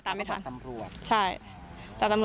ตำรวจก็ไม่ไม่เลย